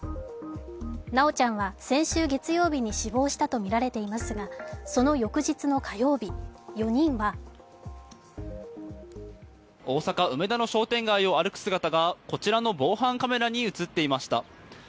修ちゃんは先週月曜日に死亡したとみられていますが、その翌日の火曜日、４人は大阪・梅田の商店街を歩く姿がこちらの防犯カメラに映っていました。